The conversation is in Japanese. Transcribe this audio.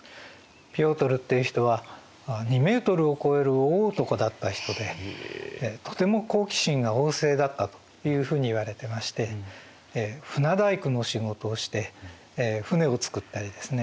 ピョートルっていう人は２ｍを超える大男だった人でとても好奇心が旺盛だったというふうにいわれてまして船大工の仕事をして船をつくったりですね